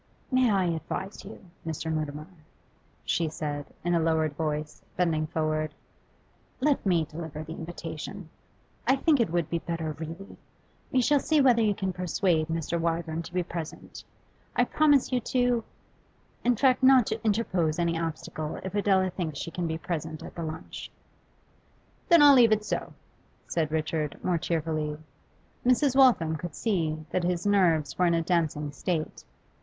'May I advise you, Mr. Mutimer?' she said, in a lowered voice, bending forward. 'Let me deliver the invitation. I think it would be better, really. We shall see whether you can persuade Mr. Wyvern to be present. I promise you to in fact, not to interpose any obstacle if Adela thinks she can be present at the lunch.' 'Then I'll leave it so,' said Richard, more cheerfully. Mrs. Waltham could see that his nerves were in a dancing state.